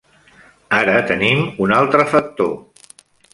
Ara tenim un altre factor.